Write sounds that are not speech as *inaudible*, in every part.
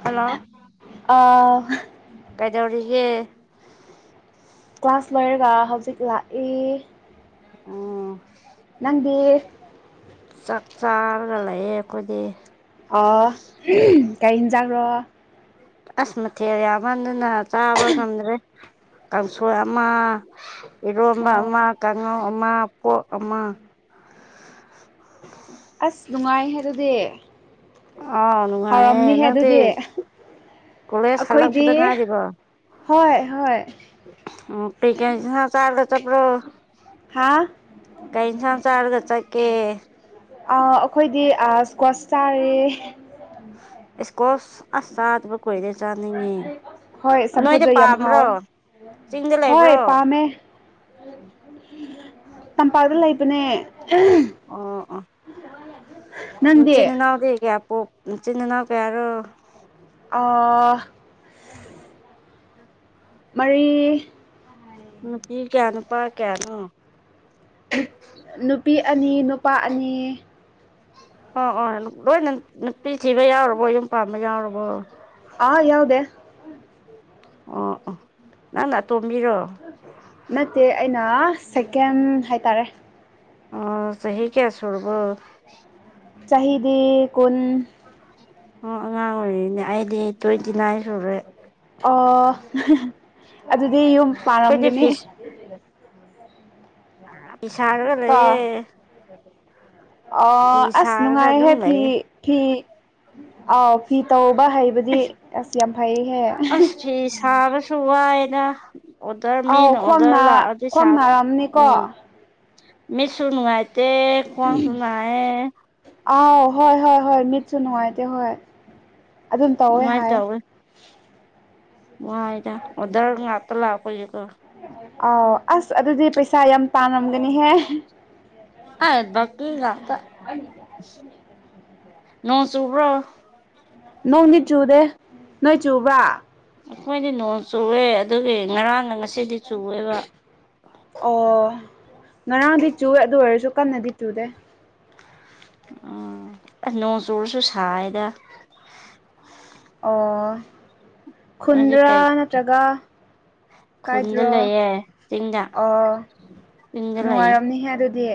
Hello ꯑꯥ ꯀꯩꯗꯧꯔꯤ ꯌꯦ ꯀ꯭ꯂꯥꯁ ꯂꯣꯏꯔꯒ ꯍꯧꯖꯤꯛ ꯂꯥꯛꯑꯦ ꯎ ꯅꯪꯗꯤꯦ ꯆꯥꯛ ꯆꯥꯔꯒ ꯂꯩꯌꯦꯦ ꯑꯩꯈꯣꯏꯗꯤ ꯑ ꯀꯥꯏꯦꯟꯖꯒ꯭ꯔꯣ ꯑꯁ ꯃꯊꯦꯜ ꯌꯥꯝꯃꯟꯗꯨꯅ ꯆꯥꯕ ꯉꯝꯗ꯭ꯔꯦ ꯀꯥꯡꯁꯣꯏ ꯑꯃ ꯏꯔꯣꯝꯕ ꯑꯣ ꯑꯃ ꯀꯥꯡꯉꯧ ꯑꯃ ꯄꯣ ꯑꯃ ꯑꯁ ꯅꯨꯡꯉꯥꯏꯍꯦ ꯑꯗꯨꯗꯤ ꯑꯅꯨꯡꯉ ꯍꯥꯎꯔꯝꯅꯤꯍꯦ ꯑꯦꯅꯗꯤ ꯑꯗꯨꯗꯤ ꯀꯂ ꯑꯩꯈꯣꯏꯗꯤ ꯁꯂꯄꯠꯇ ꯉꯕ ꯍꯣꯏ ꯍꯣꯏ ꯎ ꯊ ꯆꯂ ꯆꯄ꯭ꯔꯣ ꯍꯥ ꯀꯩ ꯏꯁꯁ ꯑꯔꯒ ꯆ ꯀꯦ ꯑ ꯑꯩꯈꯣꯏꯗꯤ ꯏꯁꯀ꯭ꯋꯥꯁ ꯇꯥꯔꯦ ꯏꯁꯀꯣ ꯑ ꯁꯥ ꯀꯣꯏꯔ ꯆꯥꯅꯤꯡꯉꯦ ꯍꯣꯏ ꯅꯣꯏꯗꯤ ꯆꯝꯐꯨꯠꯇꯣ ꯌꯥꯝ ꯄꯥꯝꯕ꯭ꯔꯣ ꯍꯥꯎꯋꯦ ꯆꯤꯡꯗ ꯍꯣꯏ ꯂꯩꯕ꯭ꯔꯣ ꯄꯥꯝꯃꯦ ꯇꯝꯄꯥꯛꯇ ꯂꯩꯕꯅꯦ ꯑꯣ ꯑꯣ ꯎ ꯅꯪꯗꯤ ꯆꯤꯟꯅꯅꯥꯎꯗꯤ ꯀꯌꯥ ꯄꯣ ꯆꯤꯟꯅꯅꯥꯎ ꯀꯌꯥꯔꯣ ꯑꯥ ꯃꯔꯤ ꯀ ꯀꯅ ꯄꯥꯎ ꯀꯅ ꯅꯨꯄꯤ ꯑꯅꯤ ꯅꯨꯄꯥ ꯑꯅꯤ ꯑꯣ ꯑꯣ ꯂꯣꯏꯅ ꯅꯨꯄꯤ ꯊꯤꯕ ꯌꯥꯎꯔꯕꯣ ꯌꯨꯝ ꯄꯥꯝꯕ ꯌꯥꯎꯔꯕꯣ ꯑꯥ ꯌꯥꯎꯗꯦ ꯑꯣ ꯅꯪ ꯅ ꯇꯣꯝꯕꯤꯔꯣ ꯅꯠꯇꯦ ꯁꯦꯀꯦꯟ ꯍꯥꯏꯇꯥꯔꯦ ꯑꯣ ꯁꯍꯤ ꯀꯌꯥ ꯁꯨꯔꯕꯣ ꯆꯍꯤꯗꯤ ꯀꯨꯟ ꯑꯣ ꯑꯉꯥꯡ ꯑꯣꯏꯔꯤꯅꯦ ꯑꯩꯗꯤ ꯇ꯭ꯋꯦꯟꯇꯤ ꯅꯥꯏꯟ ꯁꯨꯔꯦ ꯑꯣ ꯑꯗꯨꯗꯤ ꯌꯨꯝ ꯑꯩꯈꯣꯏꯗꯤ ꯄꯥꯂꯝꯝꯒꯅꯤ ꯄꯁꯥꯒ ꯂꯩꯌꯦ ꯑ ꯐꯤ ꯑꯁ ꯁꯥꯔꯒ ꯑꯗꯨꯝ ꯅꯨꯡꯉꯥꯏꯍꯦ ꯐꯤ ꯂꯩꯌꯦ ꯐꯤ ꯑꯥꯎ ꯐꯤ ꯇꯧꯕ ꯍꯩꯕꯗꯤ ꯑꯁ ꯌꯥꯝ ꯐꯩꯍꯦ ꯀꯁꯨ ꯋꯥꯏꯅ ꯑꯣꯗꯔ ꯑꯥꯎ ꯃꯤꯅ ꯑꯣꯗꯔ ꯈ꯭ꯋꯥꯡꯅ ꯂꯥꯛꯑꯗꯤꯣꯏ ꯈ꯭ꯋꯥꯡ ꯁꯥꯔ ꯅꯥꯔꯝꯅꯤꯀꯣ ꯎꯝ ꯃꯤ ꯁꯅ ꯍꯥꯏꯠꯇ ꯀꯣꯟ ꯁꯅꯦ ꯑꯥꯎ ꯍꯣꯏ ꯍꯣꯏ ꯍꯣꯏ ꯃꯤꯠꯁꯨ ꯅꯉꯥꯏꯗ ꯍ ꯑꯗꯨꯝ ꯇꯧꯋꯦ ꯑꯗꯨꯃꯥꯏꯅ ꯍꯥꯏ ꯋꯥꯗ ꯑꯣꯗꯔ ꯉꯥꯛꯇ ꯂꯥꯛꯄ ꯀ ꯑꯥꯎ ꯑꯁ ꯑꯗꯨꯗꯤ ꯄꯩꯁꯥ ꯌꯥꯝ ꯄꯥꯝꯔꯝꯒꯅꯤꯍꯦ ꯍꯥꯏꯠ ꯏꯒ ꯅꯣꯡꯁꯨꯕ꯭ꯔꯣ ꯅꯣꯡꯗꯤ ꯆꯨꯗꯦ ꯅꯣꯏ ꯆꯨꯕ꯭ꯔꯥ ꯑꯩꯈꯣꯏꯗꯤ ꯅꯣꯡ ꯆꯨꯑꯦ ꯑꯗꯨꯒꯤ ꯉꯔꯥꯡꯒ ꯉꯁꯤꯗꯤ ꯆꯨꯋꯦꯕ ꯑꯣ ꯉꯔꯥꯡꯗꯤ ꯆꯨꯏꯦ ꯑꯗꯨ ꯑꯣꯏꯔꯁꯨ ꯀꯟꯅꯗꯤ ꯆꯨꯗꯦ ꯎꯝ ꯑꯁ ꯅꯣꯡ ꯆꯨꯔꯁꯨ ꯁꯥꯏꯗ ꯑꯣ ꯅꯣꯏꯗꯤ ꯈꯨꯟꯗ꯭ꯔꯥ ꯀꯩ ꯅꯠꯇ꯭ꯔꯒ ꯈꯨꯟꯗ ꯀꯥꯏꯗ꯭ꯔ ꯂꯩꯌꯦ ꯆꯤꯡꯗ ꯑ ꯆꯤꯡꯗ ꯂꯩꯌꯦ ꯅꯨꯡꯉꯥꯏꯔꯝꯅꯤꯍꯦ ꯑꯗꯨꯗꯤ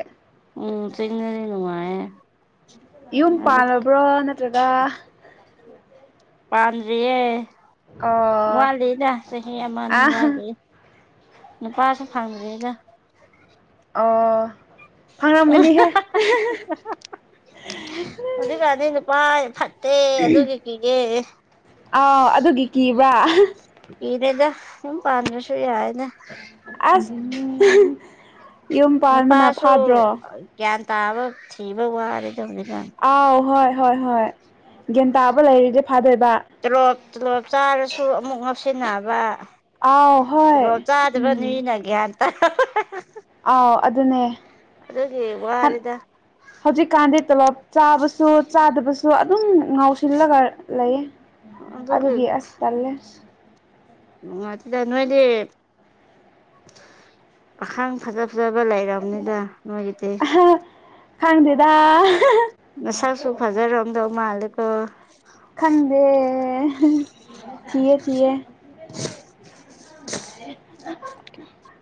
ꯎꯝ ꯆꯤꯡꯅꯗꯤ ꯅꯨꯡꯉꯥꯏꯦ ꯌꯨꯝ ꯄꯥꯜꯂꯕ꯭ꯔꯣ ꯅꯠꯇ꯭ꯔꯒ ꯄꯥꯟꯗ꯭ꯔꯤꯌꯦ ꯑꯣ ꯋꯥꯠꯂꯤꯅ ꯆꯍꯤ ꯑ ꯑꯃꯅꯤ ꯑꯅꯤ ꯋꯥꯠꯂꯤ ꯅꯨꯄꯥꯁꯨ ꯐꯪꯗ꯭ꯔꯦꯒ ꯑꯣ ꯐꯪꯔꯝꯒꯅꯤꯍꯦ ꯍꯧꯖꯤꯛꯀꯥꯟꯗꯤ ꯅꯨꯄꯥ ꯐꯠꯇꯦ ꯑꯗꯨꯒꯤ ꯀꯤꯒꯦ ꯑꯥꯎ ꯑꯗꯨꯒꯤ ꯀꯤꯕ꯭ꯔꯥ ꯏꯅꯦꯗ ꯄꯥꯟ꯭ꯔꯁꯨꯣ ꯌꯥꯏꯅ ꯑꯁ ꯌꯨꯝ ꯄꯥꯟꯕꯅ ꯅꯨꯄꯥꯁꯨ ꯐꯥꯗ꯭ꯔꯣ ꯒ꯭ꯌꯥꯟ ꯇꯥꯕ ꯊꯤꯕ ꯋꯥꯔꯦ ꯑꯥꯎ ꯍꯣꯏ ꯍꯣꯏ ꯍꯣꯏ ꯒ꯭ꯌꯥꯟ ꯇꯥꯕ ꯂꯩꯔꯤꯗꯤꯦ ꯐꯥꯗꯕ ꯇꯣꯂꯣꯞ ꯇꯣꯂꯣꯞ ꯂꯣ ꯆꯥꯗꯕꯅꯤꯅ ꯭ꯟ ꯇ ꯑ ꯑꯗꯨ ꯑꯗꯨꯅꯦ ꯋꯥꯔꯤꯗ ꯍꯧꯖꯤꯛꯀꯥꯟꯗꯤ ꯇꯣꯂꯣꯞ ꯆꯥꯕꯁꯨ ꯆꯥꯗꯕꯁꯨ ꯁꯨ ꯑꯗꯨꯝ ꯉꯥꯎꯁꯤꯜꯂꯒ ꯂꯩꯌꯦ ꯑꯗꯨꯒꯤ ꯑꯁ ꯇꯜꯂꯦ ꯗ ꯅꯣꯏꯗꯤ ꯑꯈꯥꯡ ꯐꯖꯕ ꯐꯖꯕ ꯂꯩꯔꯝꯅꯤꯗ ꯅꯣꯏꯒꯤꯗꯤ ꯈꯪꯗꯦꯗ ꯃ ꯁꯥꯥꯏ ꯁꯨ ꯐꯖꯔꯣ ꯑꯝꯗꯣ ꯃꯥꯂꯀ ꯈꯪꯗ ꯆꯌꯦ ꯆꯌꯦ ꯎꯝ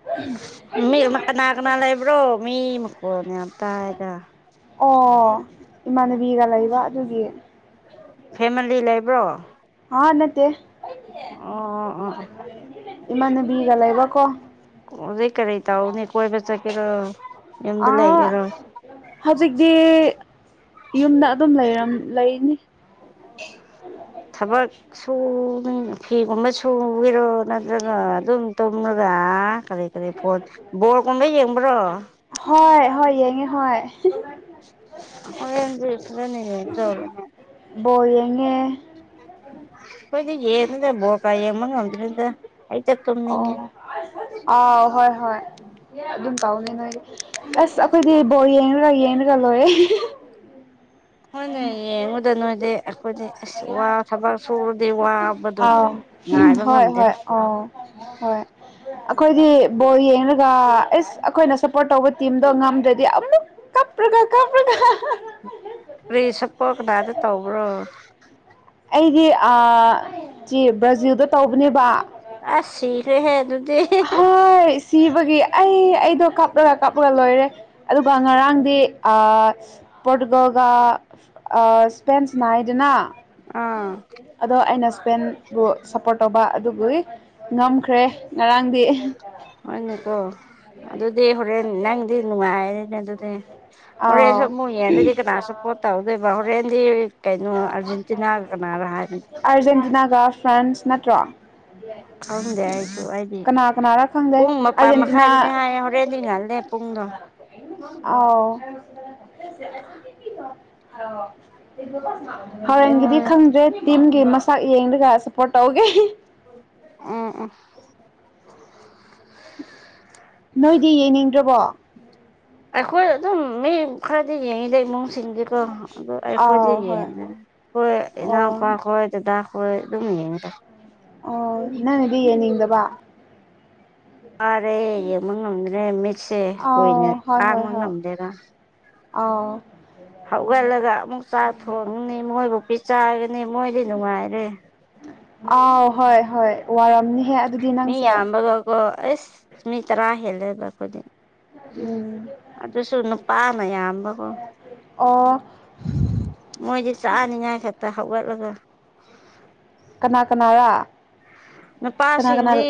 ꯃꯤꯅ ꯀꯅꯥ ꯀꯅꯥ ꯂꯩꯕ꯭ꯔꯣ ꯃꯤ ꯃꯈꯣꯟꯅꯦ ꯑꯇꯥꯏꯅ ꯑꯣ ꯏꯃꯥꯟꯅꯕꯤꯒ ꯂꯩꯕ ꯑꯗꯨꯒꯤ ꯐꯦꯃꯤꯂꯤ ꯂꯩꯕ꯭ꯔꯣ ꯑ ꯅꯠꯇꯦ ꯑꯣ ꯑꯣ ꯑꯣ ꯏꯃꯥꯟꯅꯕꯤꯒ ꯂꯩꯕꯀꯣ ꯑꯣꯗ ꯀꯔꯔꯤ ꯇꯥꯎꯅꯤ ꯀꯣꯏ ꯐ ꯆ ꯀꯦꯔ ꯑꯗ ꯑꯥ ꯂꯩꯒꯦꯔ ꯍꯧꯖꯤꯛꯇꯤ ꯌꯨꯝꯗ ꯑꯗꯨꯝꯝ ꯂꯩꯅꯤ ꯊꯕꯛ ꯁꯨ ꯐꯤꯒꯨꯝꯕ ꯁꯨꯕꯤꯔꯣ ꯅꯠꯇ꯭ꯔꯒ ꯑꯗꯨꯝ ꯇꯝꯃꯒ ꯀꯔꯤ ꯀꯔꯤ ꯐꯠ ꯕꯣꯔꯒꯨꯝꯕ ꯌꯦꯡꯕ꯭ꯔꯣ ꯍꯣꯏ ꯍꯣꯏ ꯌꯦꯡꯉꯦ ꯍꯣꯏ ꯅꯤ ꯂꯩꯔ ꯑꯩꯉꯦ ꯀꯣꯏ ꯊ ꯌꯦ ꯅꯠꯇ ꯣ ꯀꯥꯏ ꯃꯅ ꯉꯗ ꯅ ꯑꯣ ꯑ ꯍꯣꯏ ꯍꯣꯏ ꯑꯗꯨꯝ ꯇꯅꯦ ꯅꯣꯏ ꯑꯁ ꯑꯩꯈꯣꯏꯗꯤ ꯕꯣꯔ ꯌꯦꯡꯉꯔ ꯌꯦꯡꯉꯒ ꯂꯣꯏꯔꯦ ꯍꯣꯏꯅꯦ ꯌꯦꯡꯉꯨꯗ ꯅꯣꯏꯗꯤ ꯑꯩꯈꯣꯏꯗꯤ ꯑꯁ ꯋꯥ ꯊꯕꯛ ꯁꯨꯔꯗꯤ ꯋꯥ ꯑꯥꯎ ꯍꯣꯏ-ꯍꯣꯏ ꯑꯥꯎ ꯍꯣꯏ ꯑꯈꯣꯏꯗꯤ ꯕꯣꯜ ꯌꯦꯡꯔꯒ ꯏꯁ ꯑꯈꯣꯏꯅ ꯁꯞꯄꯣꯔꯠ ꯇꯧꯕ ꯇꯤꯝꯗꯣ ꯉꯝꯗ꯭ꯔꯗꯤ ꯑꯃꯨꯛ ꯀꯞꯔꯒ ꯀꯞꯔꯒ ꯀꯔꯤ ꯁꯄ꯭ꯔꯣꯠ ꯀꯅꯥꯗ ꯇꯧꯕ꯭ꯔꯣ ꯑꯩꯗꯤ ꯑ-ꯖꯤꯕ ꯕ꯭ꯔꯥꯖꯤꯜꯗ ꯇꯧꯕꯅꯦꯕ꯫ ꯑꯁ ꯁꯤꯔꯦꯍꯦ ꯑꯗꯨꯗꯤ꯫ ꯕꯒꯤ ꯑꯩ ꯑꯩꯗꯣ ꯀꯞꯔꯒ-ꯀꯞꯔꯒ ꯂꯣꯏꯔꯦ꯫ ꯑꯗꯨꯒ ꯉꯔꯥꯡꯗꯤ ꯑ-ꯄꯣꯔꯇꯨꯒꯜꯒ ꯑꯁ ꯁ꯭ꯄꯦꯟꯁ ꯅꯥꯏꯑꯦꯗꯅ ꯑꯥ ꯑꯗꯣ ꯑꯩꯅ ꯁ꯭ꯄꯦꯟꯕꯨ ꯁꯞꯄꯣꯔꯠ ꯇꯧꯕ ꯑꯗꯨꯕꯨꯏ ꯉꯝꯈ꯭ꯔꯦ꯫ ꯉꯔꯥꯡꯗꯤ ꯍꯣꯏꯅꯦꯀꯣ ꯑꯗꯨꯗꯤ ꯍꯣꯔꯦꯟ ꯅꯪꯗꯤ ꯅꯨꯡꯉꯥꯏꯔꯦꯅꯦ ꯑꯗꯨ ꯑꯥꯎ ꯍꯣꯔꯦꯟꯁꯨ ꯑꯃꯨꯛ ꯌꯦꯡꯗꯗꯤ ꯀꯅꯥ ꯁꯄꯣꯠ ꯇꯧꯗꯣꯏꯕ ꯍꯣꯔꯦꯟꯗꯤ ꯀꯩꯅꯣ ꯑꯔꯖꯦꯟꯇꯤꯅꯥꯒ ꯀꯅꯥ꯫ ꯑꯥꯔꯖꯦꯟꯇꯤꯅꯥꯒ ꯐ꯭ꯔꯥꯟꯁ ꯅꯠꯇ꯭ꯔꯣ꯫ ꯈꯪꯗꯦ ꯑꯩꯁꯨ ꯑꯩꯗꯤ ꯀꯅꯥ ꯀꯅꯥꯔ ꯈꯪꯗꯦ ꯄꯨꯡ ꯃꯄꯟ ꯑꯥꯔꯖꯦꯟꯇꯤꯅꯥ ꯃꯈꯥꯏꯗꯅꯦ ꯍꯥꯏꯌꯦ ꯍꯣꯔꯦꯟꯗꯤ ꯉꯜꯂꯦ꯫ ꯄꯨꯡꯗꯣ ꯑꯥꯎ ꯍꯣꯔꯦꯟꯒꯤꯗꯤ ꯅꯣꯏ ꯈꯪꯗ꯭ꯔꯦ ꯇꯤꯝꯒꯤ ꯃꯁꯛ ꯌꯦꯡꯂꯡꯒ ꯁꯞꯄꯣꯔꯠ ꯇꯧꯒꯦ꯫ ꯎꯝ-ꯎꯝ ꯅꯣꯏꯗꯤ ꯌꯦꯡꯅꯤꯡꯗ꯭ꯔꯕꯣ꯫ ꯑꯩꯈꯣꯏ ꯑꯗꯨꯝ ꯃꯤ ꯈꯔ ꯑꯗꯨꯗꯤ ꯌꯦꯡꯉꯤꯗ ꯏꯃꯨꯡꯁꯤꯡꯗꯤꯀꯣ ꯑꯗꯣ ꯑꯥꯎ ꯑꯩꯈꯣꯏꯖꯨ ꯍꯣꯏ ꯌꯦꯡꯒꯅꯤ ꯑꯩꯈꯣꯏ ꯑꯣ ꯏꯅꯥꯎꯄꯥꯈꯣꯏ ꯗꯗꯥꯈ ꯍꯣꯏ ꯑꯗꯨꯝ ꯌꯦꯡꯏꯗ꯫ ꯑꯣ ꯅꯪꯅꯗꯤ ꯌꯦꯡꯅꯤꯡꯗꯕ ꯐꯔꯦ ꯌꯦꯡꯕ ꯉꯝꯗ꯭ꯔꯦ ꯃꯤꯠꯁꯦ ꯀꯨꯏꯅ ꯑꯥꯎ ꯍꯣꯏ ꯍꯣꯏ ꯄꯥꯡꯕ ꯍꯣꯏ ꯉꯝꯗꯦꯗ ꯑꯥꯎ ꯍꯧꯒꯠꯂꯒ ꯑꯃꯨꯛ ꯆꯥꯛ ꯊꯣꯡꯒꯅꯤ ꯃꯣꯏꯕꯨ ꯄꯤꯆꯥꯔ ꯅꯤ ꯃꯣꯏꯗꯤ ꯅꯨꯡꯉꯥꯏꯔꯦ꯫ ꯑꯥꯎ ꯍꯣꯏ-ꯍꯣꯏ ꯋꯥꯔꯝꯅꯤ꯫ ꯃꯤ ꯌꯥꯝꯕꯒꯀꯣ ꯑꯩꯁ ꯃꯤ ꯇꯔꯥ ꯍꯦꯜꯂꯦꯕ ꯈꯣꯏꯗꯤ꯫ ꯎꯝ ꯄꯥꯃꯌꯥꯝꯕꯀꯣ ꯑꯣ ꯃꯣꯏꯗꯤ ꯆꯥ ꯅꯤꯡꯉꯥꯏ ꯈꯛꯇ꯫ ꯍꯧꯒꯠꯂꯒ ꯀꯅꯥ-ꯀꯅꯥꯔꯥ ꯅꯨꯄꯥꯁꯤꯡꯗꯤ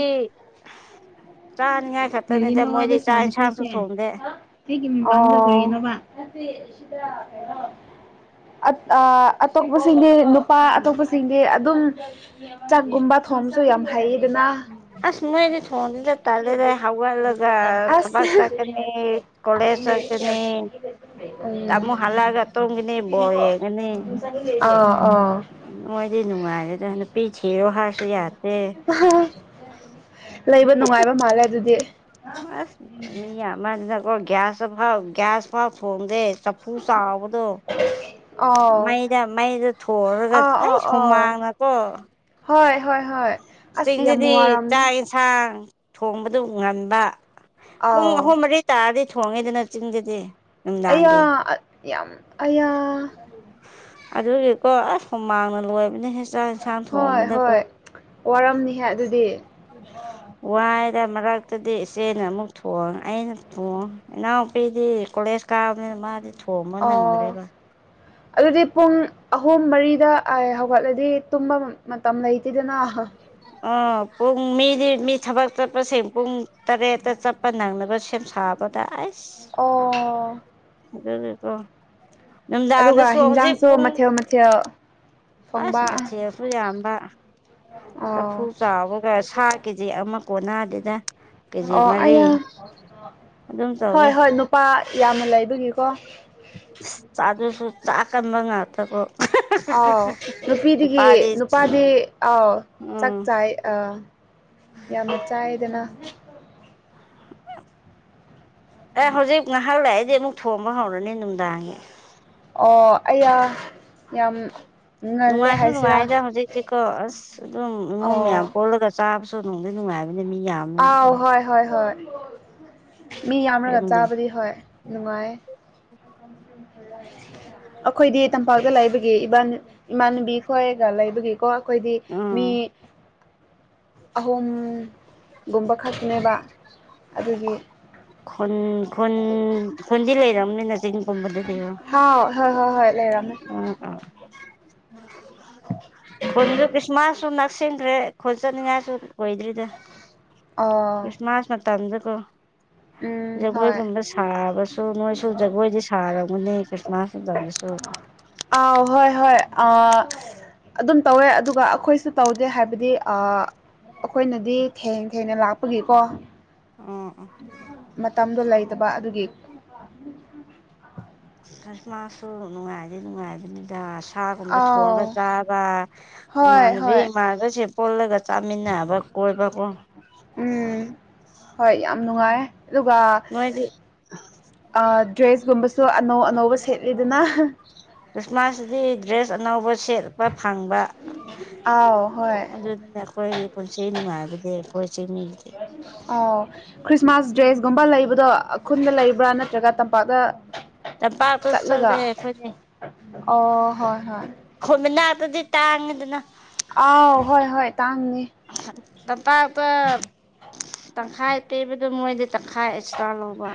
ꯆꯥꯅꯤꯉꯥꯏ ꯈꯛ ꯀꯔꯤꯅꯣ ꯑꯕꯦꯁꯅꯥ ꯅꯈꯣꯏꯁꯦ ꯑꯩꯒꯤ ꯃꯔꯝꯂ ꯀꯔꯤꯅꯣꯕꯥ ꯅꯠꯇꯦ ꯁꯤꯗꯥ *inaudible* ꯑ-ꯑꯇꯣꯞꯄꯁꯤꯡꯒꯤ ꯅꯨꯄꯥ ꯑꯇꯣꯞꯄꯁꯤꯡꯒꯤ ꯑꯗꯨꯝ ꯆꯥꯛꯀꯨꯝꯕ ꯊꯣꯡ ꯗꯨ ꯌꯥꯝ ꯍꯩꯌꯦꯗꯅ꯫ ꯑꯁ ꯃꯣꯏꯗꯤ ꯊꯣꯡꯗꯦꯗꯥ ꯇꯜ ꯑꯗꯨꯗꯤ ꯍꯧꯒꯠꯂꯒ ꯑꯁ ꯊꯕꯛ ꯆꯠꯀꯅꯤ, ꯀꯣꯂꯦꯖ ꯆꯠꯀꯅꯤ꯫ ꯇꯥꯃꯣ ꯍꯜꯂꯒ ꯇꯨꯝꯒꯅꯤ ꯕꯣꯜ ꯌꯦꯡꯒꯅꯤ꯫ ꯎꯝ ꯑꯥ ꯑꯥ ꯃꯣꯏꯗꯤ ꯅꯨꯡꯉꯥꯏꯔꯦꯗ ꯅꯨꯄꯤ ꯊꯤꯔꯣ ꯍꯥꯏꯔꯁꯨ ꯌꯥꯗꯦ꯫ ꯂꯩꯕ ꯅꯨꯡꯉꯥꯏꯕ ꯃꯥꯜꯂꯦ ꯑꯗꯨꯗꯤ ꯑꯁ ꯃꯤ ꯌꯥꯝꯃ ꯀꯣ ꯒ꯭ꯌꯥꯁꯁ ꯐꯥꯎ ꯒ꯭ꯌꯥꯁ ꯐꯥꯎ ꯊꯣꯡꯗꯦ꯫ ꯆꯐꯨ ꯆꯥꯎꯕꯗꯣ ꯑꯥꯎ ꯃꯩꯗ-ꯃꯩꯗ ꯊꯣꯡꯔꯒ ꯑꯥ ꯑꯥ ꯑꯩꯁ! ꯑꯥ ꯍꯨꯃꯥꯡꯅꯀꯣ ꯍꯣꯏ ꯍꯣꯏ ꯍꯣꯏ ꯑꯁ ꯌꯥꯝ ꯆꯤꯡꯗꯗꯤ ꯋꯥꯔꯝꯅꯦ ꯆꯥꯡ-ꯑꯦꯟꯁꯥꯡ ꯊꯣꯡꯕꯗꯨ ꯉꯟꯕ ꯄꯨꯡ ꯑꯥꯎ ꯑꯍꯨꯝ-ꯃꯔꯤ ꯇꯥꯔꯗꯤ ꯊꯣꯡꯉꯦꯗꯅ ꯆꯤꯡꯗꯗꯤ꯫ ꯑꯌꯥ ꯅꯨꯡꯗꯥꯡꯒꯤ ꯑ-ꯌꯥꯝ ꯑꯌꯥ ꯑꯗꯨꯒꯤꯀꯣ ꯑꯁ ꯍꯨꯃꯥꯡꯅ ꯂꯣꯏꯕꯅꯦꯍꯦ ꯆꯥꯛ- ꯑꯦꯟꯁꯥꯡ ꯍꯣꯏ ꯊꯣꯡꯕꯗꯀꯣ꯫ ꯍꯣꯏ ꯋꯥꯔꯝꯅꯤꯍꯦ ꯑꯗꯨꯗꯤ ꯋꯥꯏ ꯏꯗ ꯃꯔꯛꯇꯨꯗꯤ ꯏꯆꯦꯅ ꯑꯃꯨꯛ ꯊꯣꯡꯉꯦ ꯑꯩꯅ ꯊꯣꯡꯉ ꯏꯅꯥꯎꯄꯤꯗꯤ ꯀꯣꯂꯦꯖ ꯀꯥꯔꯕꯅꯤꯅ ꯃꯥꯗꯤ ꯁꯣꯅ ꯑꯣ ꯅꯪ꯭ꯔꯦꯕ ꯑꯗꯨꯗꯤ ꯄꯨꯡ ꯑꯍꯨꯝ ꯃꯔꯤꯗ ꯍꯧꯒꯠꯂꯗꯤ ꯇꯨꯝꯕ ꯃꯇꯝ ꯂꯩꯇꯦꯗꯅ ꯑꯍ ꯄꯨꯡ ꯃꯤꯗꯤ ꯃꯤ ꯊꯕꯛ ꯆꯠꯄꯁꯤꯡ ꯄꯨꯡ ꯇꯔꯦꯠꯇ ꯆꯠꯄ ꯅꯪꯅꯕ ꯁꯦꯝ ꯁꯥꯕ ꯀꯗ ꯑ ꯑꯣ ꯑꯗꯨꯒ ꯀꯣꯗꯥꯗꯁꯨ ꯍꯧꯖꯤꯩ ꯄ ꯍꯤꯟꯖꯥꯡꯁꯨ ꯃꯊꯦꯜ ꯃꯊꯦꯜ ꯑꯁ ꯊꯣꯡꯕ ꯅ ꯐꯨ ꯌꯥ ꯑꯝꯝꯕ ꯆꯐꯨ ꯑꯣ ꯆꯥꯎꯥꯕꯒ ꯁꯥ ꯀꯦꯖꯤ ꯑꯃ ꯀꯣꯟꯅ ꯑꯗꯨꯗ ꯑꯣ ꯑ ꯑꯗꯨꯝ ꯇꯧꯋꯦ ꯍꯣꯏ ꯍꯣꯏ ꯅꯨꯄꯥ ꯌꯥꯝꯅ ꯂꯩ ꯑꯗꯨꯒꯤꯀꯣ ꯆꯥ ꯑꯗꯨꯁꯨ ꯆꯥꯛꯀꯟꯕ ꯉꯥꯛꯇꯕꯣ ꯑꯥꯎ ꯅꯨꯄꯤꯗꯒꯤ ꯅꯨꯄꯥꯗꯤ ꯑꯥꯎ ꯆꯥꯛ ꯎꯝ ꯆꯥꯏ ꯑꯥ ꯌꯥꯝꯅ ꯆꯥꯏꯗꯅ ꯑꯦ ꯍꯧꯖꯤꯛ ꯉꯥꯏꯍꯥꯛ ꯂꯥꯛꯏꯗꯤ ꯑꯃꯨꯛ ꯊꯣꯕ ꯍꯧꯔꯅꯤꯅ ꯗꯥꯡꯉꯦ ꯑꯣ ꯑꯩꯌꯥ ꯌꯥꯝ ꯉꯜꯂꯦ ꯅꯨꯡꯉꯥꯏꯁꯨ ꯍꯥꯏꯁꯤꯔꯥ ꯅꯨꯡꯉꯥꯏꯗ ꯍꯧꯖꯤꯛꯁꯤꯀꯣ ꯑꯁ ꯑꯗꯨꯝ ꯏꯃꯣꯝ ꯃꯌꯥꯝ ꯑꯣ ꯄꯣꯜꯂꯒ ꯆꯥꯕ ꯆꯣꯡꯅꯅꯨꯡꯉꯥꯏ ꯑꯥꯎ ꯍꯣꯏ ꯍꯣꯏ ꯍꯣꯏ ꯃꯤ ꯌꯥꯝꯔꯒ ꯐꯦꯃꯤꯂꯤ ꯆꯥꯕꯗꯤ ꯍꯣꯏ ꯅꯨꯡꯉꯥꯏ ꯑꯩꯈꯣꯏꯗꯤ ꯇꯝꯄꯥꯛꯇ ꯂꯩꯕꯒꯤ ꯏ ꯏꯃꯥꯟꯅꯕꯤ ꯈꯣꯏꯒ ꯂꯩꯕꯒꯤꯀꯣ ꯑꯩꯈꯣꯏꯗꯤ ꯃꯤ ꯎꯝ ꯑꯍꯨꯝ ꯒꯨꯝꯕ ꯈꯛꯇꯅꯦꯕ ꯑꯗꯨꯒꯤ ꯈꯨ ꯈꯨꯟ ꯈꯨꯣꯟꯗꯤ ꯂꯩꯔꯝꯅꯤ ꯅ ꯆꯤꯡ ꯀꯨꯝꯕꯗꯗꯕ ꯍꯥꯎ ꯍꯣꯏ ꯍꯣꯏ ꯍꯣꯏ ꯂꯩꯔꯝꯃꯦ ꯎꯝ ꯎ ꯈꯨꯟꯁꯨ ꯈ꯭ꯔꯤꯁꯃꯥꯁꯁꯨ ꯅꯛꯁꯤꯟꯈ꯭ꯔꯦ ꯈꯨꯣꯟ ꯆꯠꯅꯤꯡꯉꯥꯏꯁꯨ ꯑꯣꯏꯗ꯭ꯔꯤꯗ ꯑꯥ ꯇꯖꯀꯣ ꯎꯝ ꯍꯣꯏ ꯖꯒꯣꯏꯒꯨꯝꯕ ꯁꯥꯕꯁꯨ ꯅꯣꯏꯁꯨ ꯖꯒꯣꯏꯗꯤ ꯁꯥꯔꯝꯒꯅꯤ ꯈ꯭ꯔꯤꯁꯃꯥꯁ ꯃꯇꯝꯗꯁꯨ ꯑꯥꯎ ꯍꯣꯏ ꯍꯣꯏ ꯑ ꯑꯗꯨꯝ ꯇꯧꯋꯦ ꯑꯗꯨꯒ ꯑꯩꯈꯣꯏꯁꯨ ꯇꯧꯗꯦ ꯍꯥꯏꯕꯗꯤ ꯑꯩꯈꯣꯏꯅꯗꯤ ꯊꯦꯡ ꯊꯦꯡꯅ ꯂꯥꯛꯄꯒꯤꯀꯣ ꯑꯣ ꯃꯇꯝꯗꯣ ꯂꯩꯇꯕ ꯑꯗꯨꯒꯤ ꯀꯁꯃꯁꯨ ꯅꯨꯡꯉꯥꯏꯗꯤꯦ ꯅꯨꯡꯉꯥꯏꯕꯅꯤꯗꯥ ꯁꯥꯒꯨꯝꯕ ꯑꯥꯎ ꯊꯣꯡꯉꯒ ꯆꯥꯕ ꯍꯣꯏ ꯏꯃꯥꯟꯅꯕꯤ ꯍꯣꯏ ꯏꯃꯥꯟꯅꯕꯁꯦ ꯄꯨꯜꯂꯒ ꯆꯥꯃꯤꯟꯅꯕ ꯀꯣꯏꯕ ꯀꯣ ꯎꯝ ꯍꯣꯏ ꯌꯥꯝ ꯅꯨꯡꯉꯥꯏ ꯑꯗꯨꯒ ꯅꯣꯏꯗꯤ ꯗ꯭ꯔꯦꯁꯀꯨꯝꯕꯁꯨ ꯑꯅꯧ ꯑꯅꯧꯕ ꯁꯦꯠꯂꯤꯗꯅ ꯈ꯭ꯔꯤꯁꯃꯥꯁꯇꯗꯤ ꯗ꯭ꯔꯦꯁ ꯑꯅꯧꯕ ꯁꯦꯠꯄ ꯐꯪꯕ ꯑꯥꯎ ꯍꯣꯏ ꯑꯗꯨ ꯀꯣꯏ ꯀꯟꯁ ꯆꯩ ꯅꯨꯅꯨꯡꯉꯕꯗꯤꯦ ꯀꯣꯏ ꯆꯩ ꯃꯜꯗꯦ ꯑꯣ ꯈ꯭ꯔꯤꯁꯃꯥꯁ ꯗ꯭ꯔꯦꯁꯒꯨꯝꯕ ꯂꯩꯕꯗꯣ ꯈꯨꯟꯗ ꯂꯩꯕ꯭ꯔꯥ ꯅꯠꯇ꯭ꯔꯒ ꯇꯝꯄꯥꯛꯇ ꯇ ꯄꯇꯁꯨ ꯆꯠꯂꯒ ꯆꯔꯦ ꯐ ꯑꯣ ꯍꯣꯏ ꯍꯣꯏ ꯑꯗꯨꯗꯤ ꯇꯥꯡꯉꯅꯤꯗꯅ ꯑꯥꯎ ꯍꯣꯏ ꯍꯣꯏ ꯇꯥꯡꯅꯤ ꯂꯝꯄꯥꯛꯇ ꯇꯪꯈꯥꯏ ꯄꯤꯕꯗꯣ ꯃꯣꯏꯗꯤ ꯇꯪꯈꯥꯏ ꯑꯦꯛꯁꯇ꯭ꯔꯥ ꯂꯧꯕ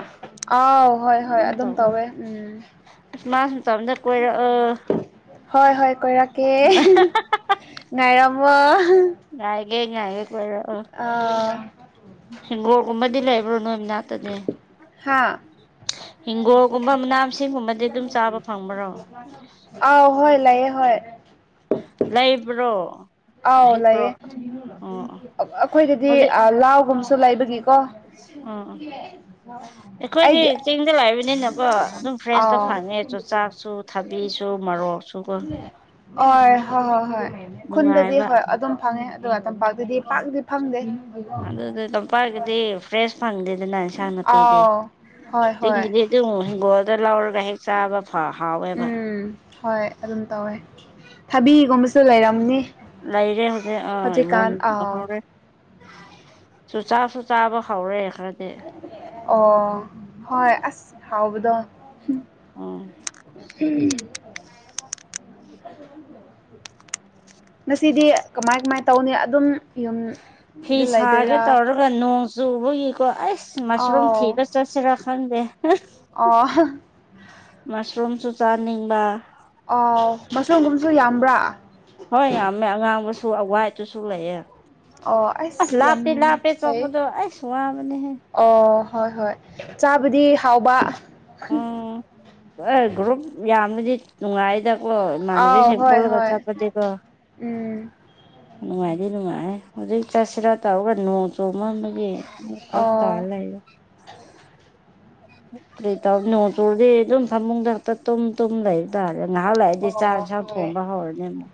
ꯑꯥꯎ ꯍꯣꯏ ꯍꯣꯏ ꯑꯗꯨꯝ ꯇꯧꯋꯦ ꯎꯝ ꯈ꯭ꯔꯤꯁꯃꯥꯁ ꯃꯇꯝꯗ ꯀꯣꯏꯔꯛꯑꯣ ꯍꯣꯏ ꯍꯣꯏ ꯀꯣꯏꯔꯀꯦ ꯅꯥꯏꯔꯝ ꯦ ꯉꯥꯏꯦꯔ ꯍꯣ ꯀꯕꯗꯤ ꯂꯥꯏꯕ꯭ꯔꯣ꯫ ꯏꯗꯇꯅꯦ ꯍꯥ ꯑꯗꯨꯝ ꯆꯥꯕ ꯐꯪꯕ꯭ꯔꯣ ꯑꯥꯎ ꯍꯣꯏ ꯂꯌꯦꯦ *unintelligible* *inaudible* ꯍꯣꯏ꯫ ꯂꯩꯕ꯭ꯔꯣ ꯑꯥꯎ ꯍꯦꯛꯄ꯭ꯔꯣ ꯂꯩꯌꯦꯦ ꯑꯣ ꯑꯣ ꯑꯩꯈꯣꯏꯗꯗꯤ ꯍꯧꯖꯤꯛ ꯂꯥꯎꯒꯨꯝꯕꯁꯨ ꯂꯩꯕꯒꯤꯀꯣ꯫ ꯑꯣ ꯑꯣ ꯑꯩꯈꯣꯏꯗꯤ ꯑꯩꯒꯤ ꯑꯥꯎ꯫ ꯆꯥꯡꯉꯦ ꯆꯨꯆꯥꯛꯁꯨ ꯊꯕꯤꯁꯨ ꯃꯣꯔꯣꯛꯁꯨ꯫ ꯍ ꯍꯣꯏ ꯍꯣꯏ ꯍꯣꯏ ꯈꯨꯟꯗꯗꯤ ꯅꯨꯡꯉꯥꯏꯕ ꯍꯣꯏ ꯑꯗꯨꯝ ꯐꯪꯉꯦ꯫ ꯑꯗꯨꯒ ꯇꯝꯄꯥꯛꯇꯗꯤ ꯄꯥꯛꯇꯤ ꯐꯪꯗꯦ ꯑꯗꯨꯗꯤ ꯇꯄꯥꯛꯒꯤꯗꯤ ꯐ꯭ꯔꯦꯁ ꯐꯪꯗꯦꯗꯅ ꯏꯁꯥꯡꯄꯤꯗꯤ ꯑꯥꯎ ꯍꯣꯏ ꯍꯣꯏ ꯆꯤꯡꯒꯤꯗꯤ ꯑꯗꯨꯝ ꯍꯤꯡꯒꯣꯜꯗ ꯂꯧꯔꯒ ꯍꯦꯛ ꯆꯥꯕ ꯐ ꯍꯥꯎꯋꯦꯕ ꯎꯝ ꯍꯣꯏ ꯑꯗꯨꯝ ꯇꯧꯋꯦ ꯊꯥꯕꯤꯒꯨꯝꯕꯁꯨ ꯂꯩꯔꯝꯅꯤ ꯂꯩꯔꯦ ꯍꯧꯖꯤꯛꯀꯥꯟ ꯑꯥꯎ ꯆꯨꯖꯥꯛꯁꯨꯨ ꯆꯥꯕ ꯍꯧꯔꯦ ꯈꯔꯗꯤ ꯑꯣ ꯍꯣꯏ ꯑꯁ ꯍꯥꯎꯕꯗꯣ ꯎꯝ꯫ ꯉꯁꯤꯗꯤ ꯀꯃꯥꯏ ꯀꯃꯥꯏ ꯇꯧꯅꯤ ꯑꯗꯨꯝ ꯐꯤ ꯌꯨꯝꯗ ꯁꯥꯒꯦ ꯂꯩꯗꯣꯏꯔꯥ ꯇꯧꯔꯒ ꯅꯣꯡ ꯆꯨꯕꯒꯤ꯫ ꯀꯣ ꯑꯩꯁ ꯃꯁꯔꯨꯝ ꯑꯥꯎ ꯊꯤꯕ ꯆꯠꯁꯤꯔꯥ ꯈꯪꯗꯦ꯫ ꯑꯣ ꯃꯁꯔꯨꯝꯁꯨ ꯆꯥꯅꯤꯡꯕ꯫ ꯑꯣ ꯃꯁꯨꯝꯒꯨꯝꯁꯨ ꯌꯥꯝꯕ꯭ꯔꯥ ꯍꯣꯏ ꯌꯥꯝꯃꯦ ꯑꯉꯥꯡꯕꯁꯨ ꯑꯋꯥꯏꯗꯨꯁꯨ ꯂꯩꯌꯦ ꯑꯣ ꯑꯁ ꯑꯩꯁ ꯌꯥꯝ ꯂꯥꯞꯇꯤ ꯂꯥꯞꯄꯦ ꯐꯩꯌꯦ ꯆꯠꯄꯗꯣ ꯑꯩꯁ ꯋꯥꯕꯅꯦꯍꯦ ꯑꯣ ꯍꯣꯏ ꯍꯣꯏ ꯆꯥꯕꯗꯤ ꯍꯥꯎꯕ ꯑꯣ ꯑꯦ ꯒ꯭ꯔꯨꯞ ꯌꯥꯝꯅꯗꯤ ꯅꯨꯡꯉꯥꯏꯗ ꯑꯣ ꯏꯃꯅꯥꯕꯤ ꯑꯥꯎ ꯁꯤꯡ ꯍꯣꯏ ꯀꯣꯏꯕꯒ ꯍꯣꯏ ꯆꯠꯄꯗꯤ ꯀꯣ ꯎꯝ ꯅꯨꯡꯉꯥꯏꯗꯤ ꯅꯨꯡꯉꯥꯏꯌꯦ ꯍꯧꯖꯤꯛ ꯆꯥꯠꯁꯤꯔꯥ ꯇꯧꯔꯒ ꯅꯣꯡ ꯆꯨꯃꯟꯕꯥꯒꯤ ꯐꯔꯛ ꯇꯔꯥ ꯑꯣ ꯂꯩꯔꯦ ꯀꯔꯤ ꯇꯧꯅꯤ ꯅꯣꯡ ꯆꯨꯔꯗꯤ ꯑꯗꯨꯝ ꯐꯃꯨꯡꯊꯛꯇ ꯇꯨꯝ ꯇꯨꯝ ꯂꯩꯕ ꯇꯕ ꯉꯥꯏꯍꯥꯛ ꯂꯩꯔꯥꯗꯤ ꯆꯥꯛ ꯑꯣ ꯌꯦꯟꯁꯥꯡ ꯍꯣꯏ ꯊꯣꯡꯕ ꯍꯧꯔꯅꯤ ꯑꯃꯨꯛ